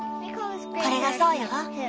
これがそうよ。